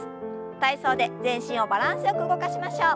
体操で全身をバランスよく動かしましょう。